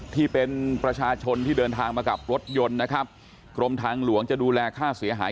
ที่เป็นประชาชนที่เดินทางมากับรถยนต์นะครับกรมทางหลวงจะดูแลค่าเสียหาย